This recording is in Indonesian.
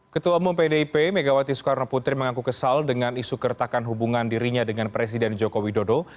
ketua umum pdip megawati soekarno putri mengaku kesal dengan isu keretakan hubungan dirinya dengan presiden joko widodo